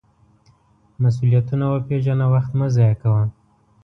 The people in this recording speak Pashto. مسؤلیتونه وپیژنه، وخت مه ضایغه کوه.